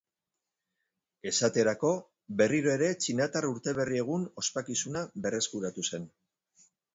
Esaterako, berriro ere Txinatar urteberri-egun ospakizuna berreskuratu zen.